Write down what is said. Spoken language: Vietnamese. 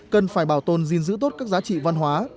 cần phải bảo tồn gìn giữ tốt các giá trị văn hóa